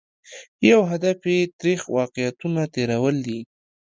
یو هدف یې ترخ واقعیتونه تېرول دي.